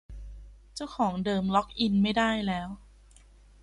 เจ้าของเดิมล็อกอินไม่ได้แล้ว